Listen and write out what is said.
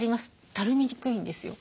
たるみにくいんですよ。